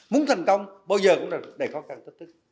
muốn thành công bao giờ cũng là đầy khó khăn thách thức